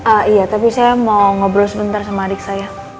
ah iya tapi saya mau ngobrol sebentar sama adik saya